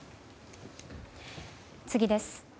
次です。